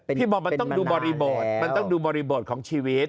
เป็นมานานแล้วพี่บอกมันต้องดูบริโบร์ดมันต้องดูบริโบร์ดของชีวิต